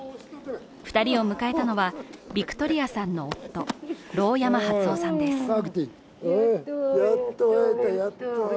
２人を迎えたのはヴィクトリアさんの夫盧山初雄さんです。